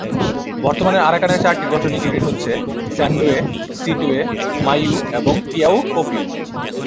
বর্তমানকালের আরাকানের চারটি প্রশাসনিক ইউনিট হচ্ছে স্যান্ডোয়ে, সিটটয়ে, মাইয়ু এবং কিয়াউকপিউ।